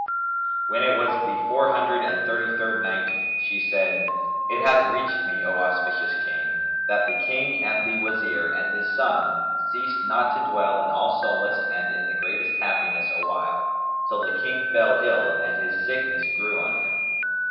When it was the Four Hundred and Thirty third Night, She said, It hath reached me, O auspicious King, that the King and the Wazir and his son ceased not to dwell in all solace and in the greatest happiness awhile, till the King fell ill and his sickness grew on him.